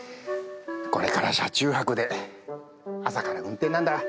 これから車中泊で、朝から運転なんだ。